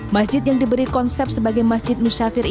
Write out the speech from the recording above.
masjid yang diberi konsep sebagai masjid muslim